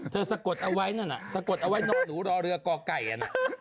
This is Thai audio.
สะกดเอาไว้นั่นน่ะสะกดเอาไว้นอนหนูรอเรือก่อไก่นะ